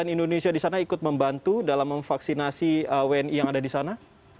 indonesia di sana ikut membantu dalam memvaksinasi wni yang ada di sana